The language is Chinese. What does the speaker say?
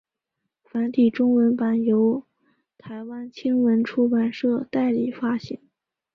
繁体中文版本由台湾青文出版社代理发行。